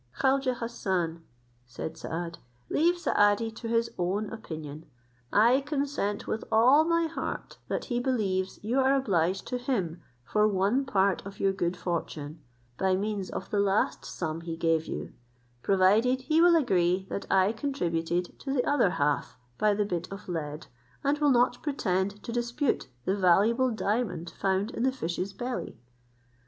"Khaujeh Hassan," said Saad, "leave Saadi to his own opinion; I consent with all my heart that he believes you are obliged to him for one part of your good fortune, by means of the last sum he gave you, provided he will agree that I contributed to the other half by the bit of lead, and will not pretend to dispute the valuable diamond found in the fish's belly."